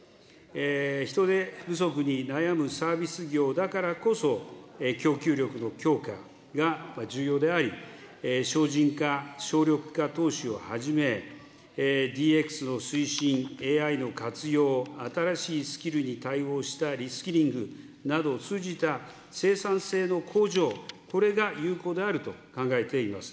人手不足に悩むサービス業だからこそ、供給力の強化が重要であり、省人化、省力化投資をはじめ、ＤＸの推進、ＡＩの活用、新しいスキルに対応したリスキリングなどを通じた、生産性の向上、これが有効であると考えています。